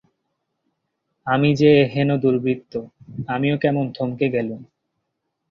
আমি যে এ-হেন দুর্বৃত্ত, আমিও কেমন থমকে গেলুম।